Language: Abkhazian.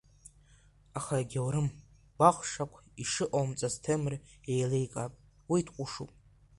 Аха егьаурым, гәаӷшақә ишыҟоумҵаз Ҭемыр иеиликаап, уи дҟәышуп!